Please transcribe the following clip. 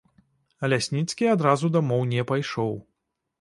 Лясніцкі адразу дамоў не пайшоў.